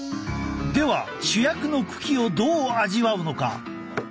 では主役の茎をどう味わうのか。